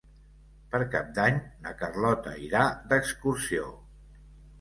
Per Cap d'Any na Carlota irà d'excursió.